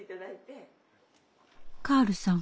カールさん